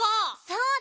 そうだ。